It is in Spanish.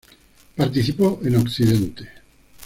Participó en Occidente.